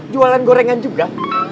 jualan gorengan juga